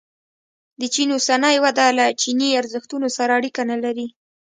د چین اوسنۍ وده له چیني ارزښتونو سره اړیکه نه لري.